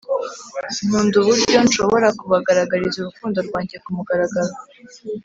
nkunda uburyo nshobora kubagaragariza urukundo rwanjye kumugaragaro